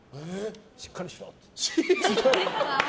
しっかりしろって。